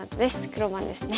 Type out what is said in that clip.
黒番ですね。